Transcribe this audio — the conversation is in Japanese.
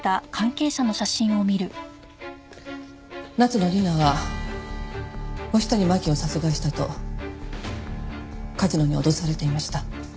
夏野理奈は星谷真輝を殺害したと梶野に脅されていました。